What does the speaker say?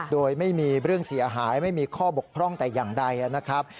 โดยไม่มีเรื่องเสียหายไม่มีข้อบกพร่องแต่อย่างใดนะครับ